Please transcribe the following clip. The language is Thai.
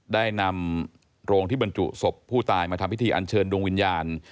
ได้นำโรงที่บรรจุศพผู้ตายมาทำพิธีอันเชิญดวงวิญญาณ